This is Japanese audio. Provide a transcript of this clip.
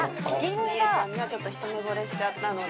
みえちゃんにはちょっとひと目ぼれしちゃったので。